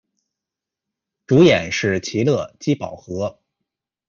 主演是奇勒·基宝和。